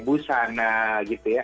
busana gitu ya